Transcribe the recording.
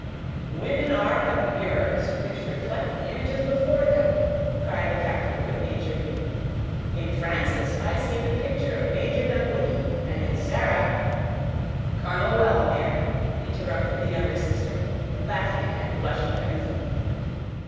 "Women are but mirrors, which reflect the images before them," cried the captain, good naturedly. "In Frances I see the picture of Major Dunwoodie, and in Sarah—" "Colonel Wellmere," interrupted the younger sister, laughing, and blushing crimson.